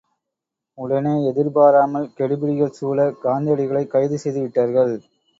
உடனே எதிர்பாராமல் கெடுபிடிகள் சூழ காந்தியடிகளைக் கைது செய்து விட்டார்கள்.